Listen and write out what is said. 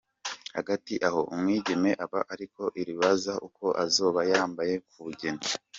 Hagati aho, umwigeme aba ariko irbaza uko azoba yambaye ku bugeni.